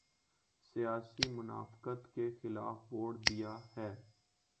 سیاسی منافقت کے خلاف ووٹ دیا ہے۔